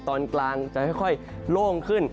ตอนกลางจะค่อยโล่งขึ้น